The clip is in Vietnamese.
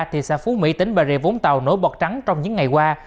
thị xã phú mỹ tính bà rịa vốn tàu nổi bọt trắng trong những ngày qua